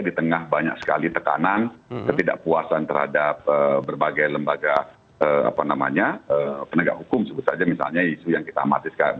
di tengah banyak sekali tekanan ketidakpuasan terhadap berbagai lembaga penegak hukum sebut saja misalnya isu yang kita amatiskan